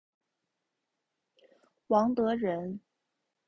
王德人。